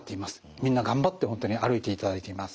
みんな頑張って本当に歩いていただいています。